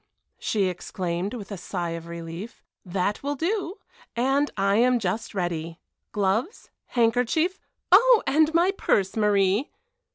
she exclaimed, with a sigh of relief, "that will do; and I am just ready. Gloves, handkerchief oh! and my purse, Marie."